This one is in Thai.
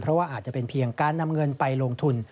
เพราะว่าอาจจะเป็นเพียงการนำเงินไปลงทุน